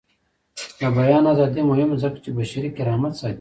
د بیان ازادي مهمه ده ځکه چې بشري کرامت ساتي.